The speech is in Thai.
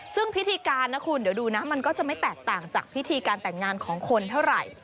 ซึ่งพิธีการนะคุณเดี๋ยวดูนะมันก็จะไม่แตกต่างจากพิธีการแต่งงานของคนเท่าไหร่